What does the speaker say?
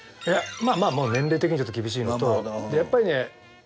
いやまあまあもう年齢的にちょっと厳しいのとやっぱりね